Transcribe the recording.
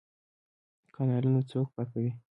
کانالونه څوک پاکوي؟